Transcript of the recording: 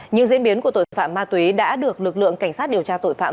những diễn biến của tội phạm ma túy đã được lực lượng cảnh sát điều tra tội phạm